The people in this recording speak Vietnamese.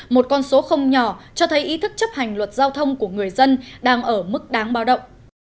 một con số không nhỏ cho thấy ý thức chấp hành luật giao thông của người dân đang ở mức đáng báo động